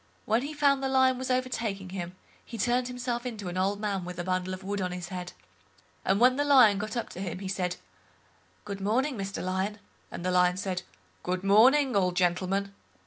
When he found the Lion was overtaking him, he turned himself into an old man with a bundle of wood on his head—and when the Lion got up to him, he said, "Good morning, Mr Lion", and the Lion said "Good morning, old gentleman."